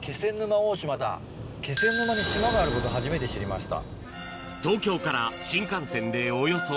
気仙沼に島があること初めて知りました。